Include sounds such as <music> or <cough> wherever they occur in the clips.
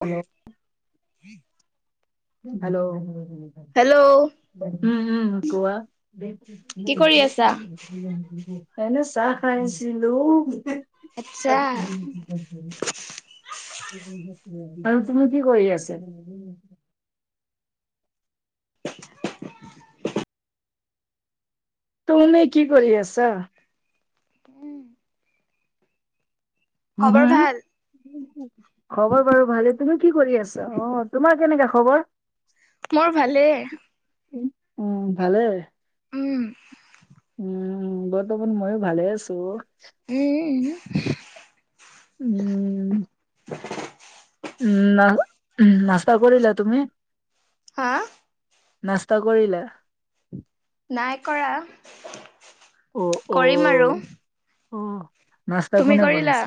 Hello. <inaudible> Hello. Hello. উম-উম গোৱা। কি কৰি আছা? এনে চাহ খাই আছিলো। <unintelligible> আচ্ছা <unintelligible> আৰু তুমি কি কৰি আছে? <unintelligible> তুমি কি কৰি আছা? উম্। উম। ভাল? খবৰ বাৰু ভালেই, তুমি কি কৰি আছা, অ', তোমাৰ কেনেকা খবৰ। মোৰ ভালেই। উম, ভালে। উম। উম, বৰ্তমান ময়ো ভালে আছো। উম। উম। উম না উম, নাস্তা কৰিলা তুমি? হা? নাস্তা কৰিলা? নাই কৰা, অ কৰিম অ। আৰু। অ'। নাস্তা তুমি কোনে কৰিলা? বনাইছে।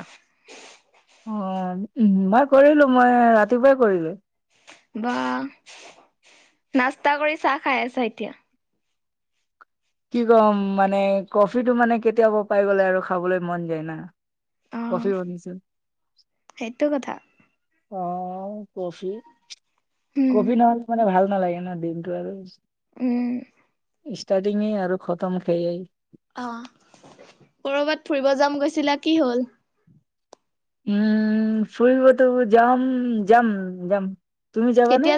অ', উম মই কৰিলো, মই ৰাতিপুৱাই কৰিলো। বাহ, নাস্তা কৰি চাহ খাই আছা এতিয়া। কি ক'ম মানে কফিটো মানে কেতিয়াবা পাই গ'লে আৰু খাবলৈ মন যায় না। অ কফি বনিছে। সেইটো কথা অ', উম কফি-কফি নহ'লে মানে ভাল নালাগে ন দিনটো আৰু। উম। ষ্টাৰ্টিং এই আৰু খতম সেয়েই। অ', ক'ৰবাত ফুৰিব যাম কৈছিলা, কি হ'ল? উম, ফুৰিবতো মই যাম, যাম-যাম। তুমি যাবা নে?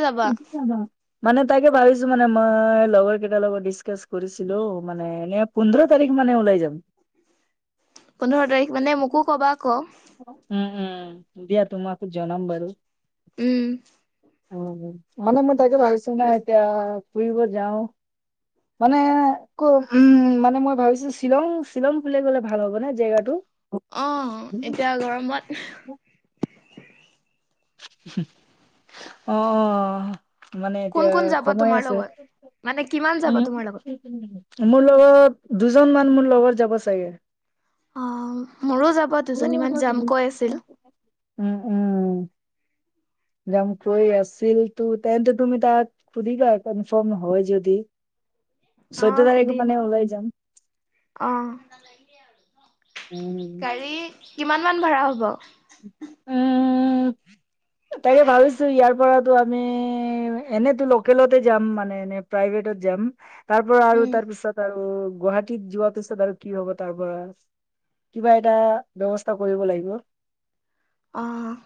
মানে তাকে ভাবিছো মানে মই লগৰ কেইটাৰ লগত ডিচকাচ কৰিছিলো, মানে এনে পোন্ধৰ তাৰিখ মানে ওলাই যাম। পোন্ধৰ তাৰিখ মানে মোকো ক'বা আক'। উম-উম, দিয়া তোমাকো জনাম বাৰু। উম। অ', মানে মই তাকে ভাবিছো না, এতিয়া ফুৰিব যাওঁ। মানে, উম মানে মই ভাবিছো, শ্বিলং-শ্বিলং ফালে গ'লে ভাল হ'ব নে জেগাটো? অ', এতিয়া গৰমত অ'। মানে কোন এতিয়া কোন যাবা সময় তোমাৰ আছে লগত? মানে কিমান যাবা তোমাৰ <unintelligible> লগত? মোৰ লগত, দুজন মান মোৰ লগত যাব চাগে। অ', মোৰো যাব, দুজনী মান যাম কৈ আছিল। উম উম <inaudible> যাম কৈ আছিল, ত' তেন্তে তুমি তাক সুধিবা আক' কনফাৰ্ম হয় যদি। চৈধ্য অ', তাৰিখ সুধিম মানে ওলাই যাম। অ'। উম, গাড়ী, কিমান মান ভাড়া হ'ব? উম তাকে ভাবিছোঁ, ইয়াৰ পৰাতো আমি এনেতো লোকেলতে যাম মানে এনে প্ৰাইভেটত যাম, তাৰ পৰা আৰু উম। তাৰপিছত আৰু গুৱাহাটীত যোৱা পিছত আৰু কি হ'ব তাৰ পৰা? কিবা এটা ব্যৱস্থা কৰিব লাগিব। অ'।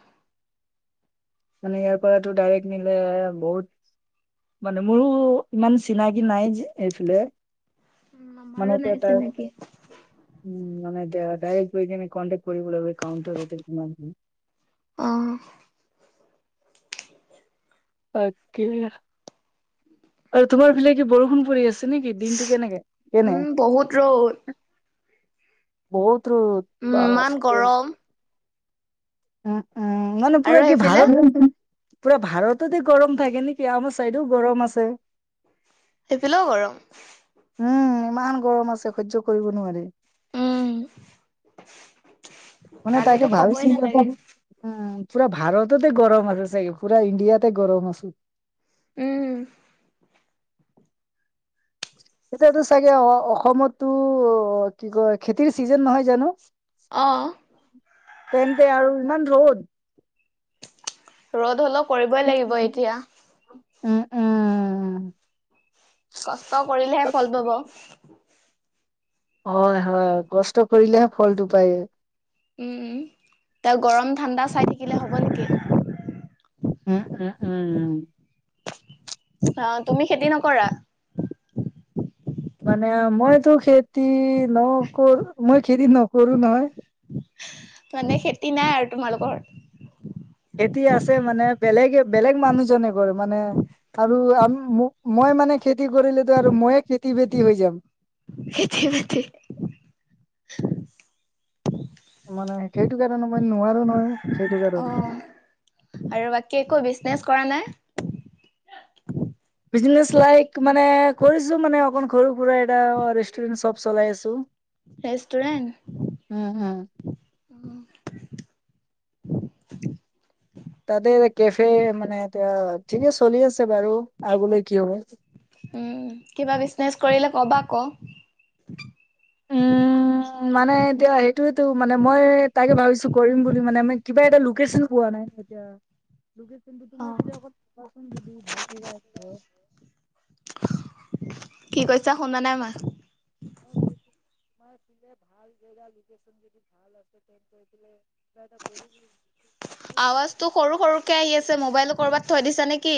মানে ইয়াৰ পৰা তোৰ ডাইৰেক্ট নিলে বহুত মানে মোৰো ইমান চিনাকি নাই যে, এইফালে। উম আমাৰো মানে নাই <unintelligible> এটা চিনাকি। উম, মানে য়া, ডাইৰেক্ট গৈ কেনে কণ্টেক্ট কৰিবলৈ <unintelligible> অ'। তাকে, আৰু তোমাৰ ফিলে কি বৰষুণ পৰি আছ নেকি? দিনটো কেনেকে? কেনে? উম বহুত ৰ'দ বহুত উম ইমান <unintelligible> গৰম উম, উম, ন, ন, আৰু পুৰা কি সেইফালে ভাৰত <unintelligible> পুৰা ভাৰততে গৰম থাকে নেকি, আমাৰ চাইডেয়ো গৰম আছে। এইফালেয়ো গৰম। উম, ইমান গৰম আছে সহ্য কৰিব নোৱাৰি। উম। মানে তাকে, কালিতো ক'বই ভাবিছোঁ নালাগে। <unintelligible> পুৰা ভাৰততে গৰম আছে চাগে, পুৰা ইণ্ডিয়াতে গৰম আছ। উম। এতিয়াতো চাগে অ', অসমতো কি কয়, খেতিৰ চিজন নহয় জানোঁ? আহ তেন্তে আৰু ইমান ৰ'দ ৰ'দ হ'লেও কৰিবই লাগিব এতিয়া উম উম কষ্ট কৰিলেহে ফল পাব হয় হয় কষ্ট কৰিলেহে ফলটো পায় উম তাৰ গৰম ঠাণ্ডা চাই থাকিলে হ'ব নেকি উম উম উম উ অ তুমি খেতি নকৰা মানে মইতো খেতি নকৰো মই খেতি নকৰো নহয় মানে খেতি নাই আৰু তোমালোকৰ এতিয়া আছে মানে, বেলেগে-বেলেগ মানুহজনে ঘৰ মানে আৰু আ-ম-মো-মই মই মানে খেতি কৰিলেতো আৰু মইয়ে খেতি-বেতি হৈ যাম। খেতি-বেতি মানে সেইটো কাৰণে মই নোৱাৰো নহয়। সেইটো কাৰণে অ', আৰু বাকী একো বিজনেচ কৰা নাই? বিজনেছ লাইক মানে কৰিছো মানে অকন সৰু-সুৰা এটা ৰেষ্টুৰেণ্ট চব চলাই আছো। উম, উম। ৰেষ্টুৰেণ্ট, উম। তাতে এটা কেফে মানে এতিয়া ঠিকে চলি আছে বাৰু আগলৈ কি হ'ব। উম, কিবা বিজনেচ কৰিলে কবা আকৌ। উম, মানে এতিয়া সেইটোয়েতো, মানে মই তাকে ভাবিছো কৰিম বুলি মানে কিবা এটা লোকেশ্যন পোৱা না নাই এতিয়া। লোকেশ্যনটো অ তোমাৰ ফালে চাবাচোন যদি ভাল জেগা <unintelligible> <inaudible> কি কৈছা শুনা নাই মই। <unintelligible> <unintelligible> আৱাজটো সৰু-সৰুকৈ আহি আছে। মোবাইলটো কৰবাত থৈ দিছা নেকি?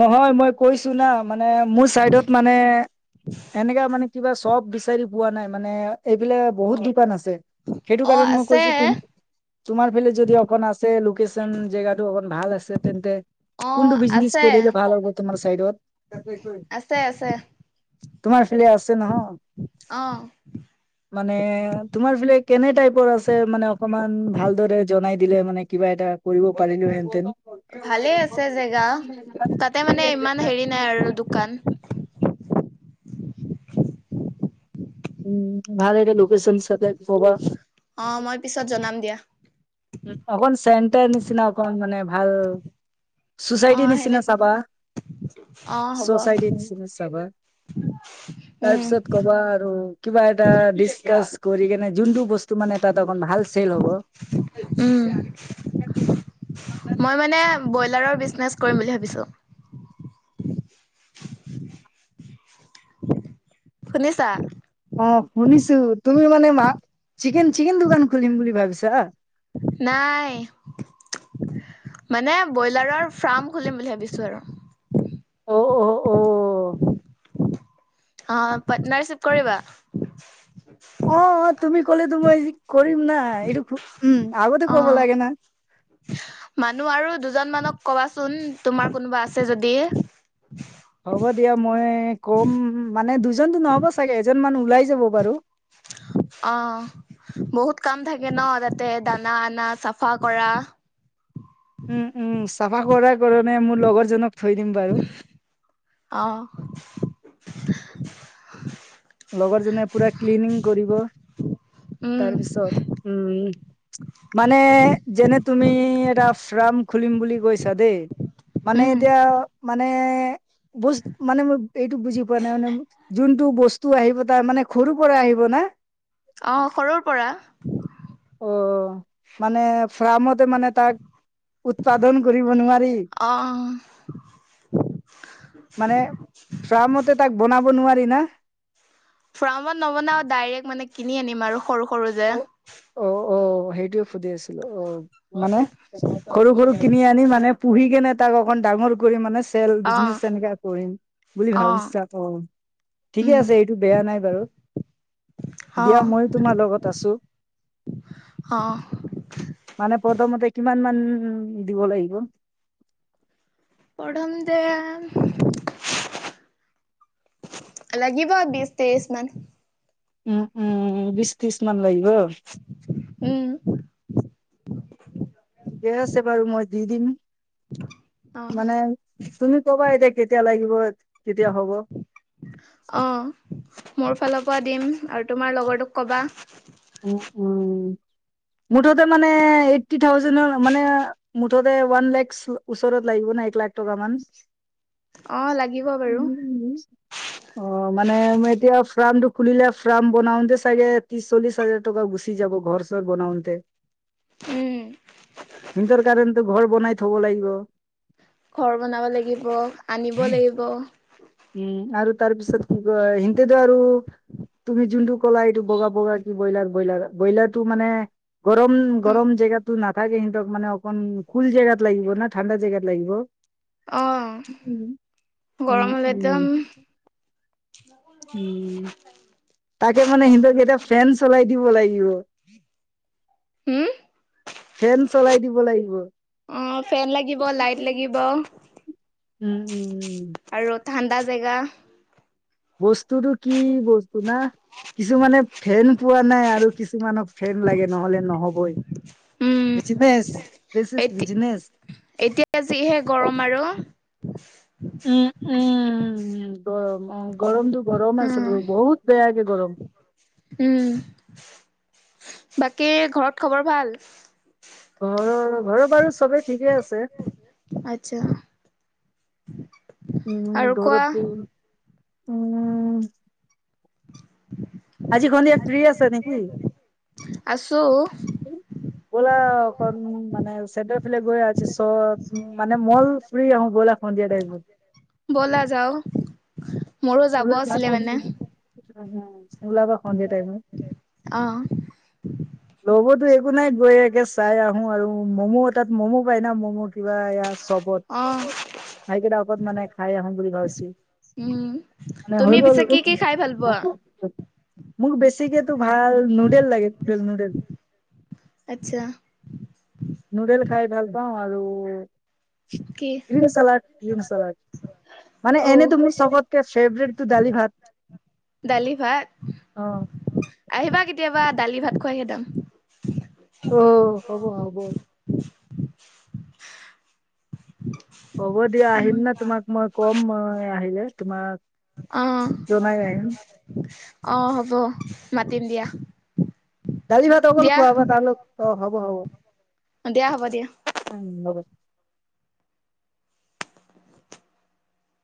নহয় মই কৈছো না, মানে মোৰ চাইডত মানে এনেকা মানে কিবা চপ বিচাৰি পোৱা নাই, মানে এইবিলাক বহুত দোকান আছে। সেইটো অ কাৰণ মই আছে কৈছো তুম তোমাৰ ফালে যদি অকণ আছে লোকেশ্যন, জেগাটো অকন ভাল আছে তেন্তে কোনটো অ', বিজনেচ আছে কৰিলে ভাল হ'ব তোমাৰ চাইডত। <unintelligible> আছে আছে তোমাৰ ফালে আছে নহ অ মানে তোমাৰ ফালে কেনে টাইপৰ আছে মানে অকল ইমান ভালদৰে জনাই দিলে মানে কিবা এটা কৰিব পাৰিলোহেনতেন। ভালে আছে জেগা। তাতে মানে ইমান হেৰি নাই আৰু দোকান। উম, ভাল এটা লোকেচন চাইডে কবা? অ, মই পিছত জনাম দিয়া। অকমান চেন্তে নিচিনা অকমান মানে ভাল অ চোচাইটি সেনে নিচিনা অ হ'ব চাবা-চচাইটি নিচিনা চাবা। উম তাৰপিছত ক'বা আৰু কিবা এটা ডিচকাছ কৰি কেনে যোনটো বস্তু মানে তাত অকণ ভাল চেল হ'ব উম, মই মানে ব্ৰইলাৰৰ বিজনেছ কৰিম বুলি ভাবিছোঁ <unintelligible> শুনিছা? অ', শুনিছো, তুমি মানে মা চিকেন-চিকেন দোকান খুলিম বুলি ভাবিছা? নাই। মানে ব্ৰইলাৰৰ ফ্ৰাম খুলিম বুলি ভাবিছো আৰু। অ' অ' অ'। অ', পাৰ্টনাৰচিভ কৰিবা? অ' অ', তুমি ক'লেটো মই কৰিম না, এইটো উম, আগতে অ ক'ব লাগে না। মানুহ আৰু দুজন মানক ক'বাচোন তোমাৰ কোনোবা আছে যদি। হ'ব দিয়া মই কম, মানে দুজনতো নহ'ব চাগে এজন মান ওলাই যাব বাৰু। অ', বহুত কাম থাকে ন, তাত তে দানা আনা, চাফা কৰা উম উম, চাফা কৰাৰ কাৰণে মোৰ লগৰ জনক অ'। লগৰজনে পুৰা ক্লিনিং কৰিব। উম তাৰ পিছত, উম, মানে যেনে তুমি এটা শ্ৰাম খুলিম বুলি কৈছা দেই, মানে উম এতিয়া মানে মানে, বুজ, মানে মই এইটো বুজি পোৱা নাই মানে যোনটো বস্ তো আহিব তাৰ মানে সৰুৰ পৰা আহিব না? অ', সৰুৰ পৰা। অ মানে ফ্ৰামত মানে তাক উৎপাদন কৰিব নোৱাৰি। অ মানে ফ্ৰমতে তাক বনাব নোৱাৰি না। ফ্ৰাৰ্মত নবনাও ডাইৰেক মানে কিনি আনিম আৰু সৰু-সৰু যে। অ অ অ, সেইটোয়ে সুদি আছিলো অ, মানে সৰু-সৰু কিনি আনি মানে পুহি কেনে তাক অকণ ডাঙৰ কৰি মানে তেল অ বিজনেছ এনেকাে কৰিম বুলি অ ভাবিছা আকৌ। ঠিকে উম আছে এইটো বেয়া নাই বাৰু, অ দিয়া মইও তোমাৰ লগত আছোঁ, অ মানে প্ৰথমতে কিমানমান উম উম দিব লাগিব। <unintelligible> লাগিব বিছ ত্ৰিশ মান। উম উম বিশ ত্ৰিশ মান লাগিব? উম ঠিকে আছে বাৰু মই দি দিম। <inaudible> মানে তুমি ক'বা এতিয়া কেতিয়া লাগিব, কেতিয়া হ'ব। অ', মোৰ ফালৰ পৰা দিম আৰু তোমাৰ লগৰটোক ক'বা। উম, উম। মুঠতে মানে এইটটি থাউজেণৰ, মানে মুঠতে ওৱান লেক্স ওচৰত লাগিব ন এক লাখ টকা মান। অ লাগিব বাৰু অ', মানে মই এতিয়াও ফাৰ্মটো খুলিলে ফাৰ্ম বনাওঁতে চাগে ত্ৰিশ চল্লিশ হাজাৰ টকা গুচি যাব, ঘৰ চৰ বনাওঁতে। উম সিহঁতৰ কাৰণেটো ঘৰ বনাই থ'ব লাগিব। ঘৰ বনাব লাগিব, আনিব লাগিব। উম, আৰু তাৰপিছত কি কয় সিহঁতেটো আৰু তুমি যোনটো ক'লা এইটো বগা বগা ব্ৰইলাৰ, ব্ৰইলাৰ, ব্ৰইলাৰটো মানে গৰম গৰম জেগাতো নাথ তাকে, ইহিতক মানে অকণ মুকলি জেগাত লাগিব না, ঠাণ্ডা জেগাত লাগিব। অ', উম উম গৰম হ'লেটো উম, তাকে মানে সিহঁতক এতিয়া ফেন চলাই দিব লাগিব। <inaudible> হুম? ফেন চলাই দিব লাগিব অ', ফেন লাগিব, লাইট লাগিব। উম, উম, উম। আৰু ঠাণ্ডা জেগা। বস্তুটো কি বস্তু না? কিছুমানে ফেন পোৱা নাই আৰু কিছুমানক ফেন লাগে, নহ'লে নহ'বই। উম বিজনেচ, দিচ ইজ এতি বিজনেচ। এতিয়া যিহে গৰম আৰু। উম, উম, গৰম অ', গৰমটো গৰম আছে উম বহুত বেয়াকে গৰম। উম বাকী ঘৰত খবৰ ভাল? ঘৰৰ, ঘৰৰ বাৰু চবেই ঠিকে আছে। আচ্ছা <inaudible> আৰু কোৱা <unintelligible> আজি সন্ধিয়া ফ্ৰী আচা নেকি? আছো <unintelligible> ফুৰি আহোঁ ব'লা সন্ধিয়া টাইমত। ব'লা যাওঁ। মোৰো যাব ওলাবা আছিলে মানে। উম, ওলাবা সন্ধিয়া টাইমত। অ'। ল'বতো একো নাই। গৈ একে চাই আহো আৰু ম'ম' তাত ম'ম' পাই না ম'ম' কিবা ইয়াত। সবত অ', হাইবিলকত খাই আহোঁ বুলি ভাবিছো। উম, নে, হৈ তুমি গ'ল পিছে কি কি খাই ভাল পোৱা? <inaudible> মোক বেছিকেতো ভাল নুডেল লাগে নুডেল নুডেল। আটচা। নুডেল খাই ভাল পাওঁ, আৰু কি গ্ৰীণ চালাড, গ্ৰীণ চালাড। মানে অ', এনেইতো মোৰ চবতকে ফেভৰেটটো দালি ভাত। দালি ভাত? অ আহিবা কেতিয়াবা দালি ভাত খুৱাই খেডাম। অ' হ'ব হ'ব। হ'ব দিয়া আহিম না তোমাক মই কম মই আহিলে তোমাক জনাই আহিম। অহ হ'ব, মাতিম দিয়া। দালি-ভাত অকল দিয়া, খোৱাব <unintelligible> অ হ'ব হ'ব। দিয়া হ'ব দিয়া। উম হ'ব